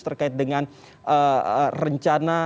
terkait dengan rencana